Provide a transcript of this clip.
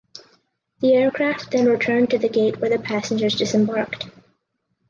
The aircraft then returned to the gate where the passengers disembarked.